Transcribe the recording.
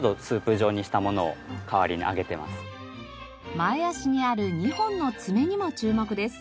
前足にある２本の爪にも注目です。